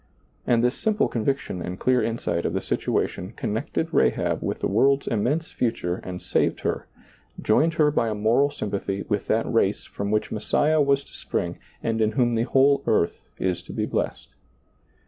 And this simple conviction and clear insight of the situation con nected Rahab with the world's immense future and saved her, joined her by a moral sympathy with that race from which Messiah was to spring and in whom the whole earth is to be blessed.